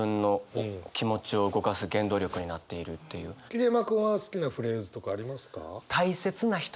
桐山君は好きなフレーズとかありますか？